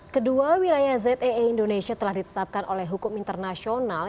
kedua wilayah zee indonesia telah ditetapkan oleh hukum internasional